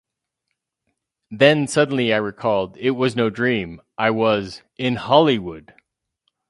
Then suddenly I recalled, it was no dream: I was... in Hollywood!